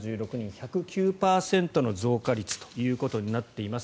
１０９％の増加率ということになっています。